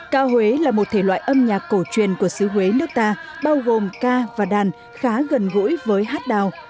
ca huế là một thể loại âm nhạc cổ truyền của xứ huế nước ta bao gồm ca và đàn khá gần gũi với hát đào